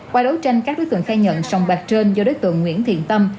qua đấu tranh các đối tượng khai nhận sòng bạc trên do đối tượng nguyễn thiện tâm